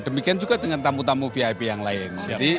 demikian juga dengan tamu tamu vip yang lain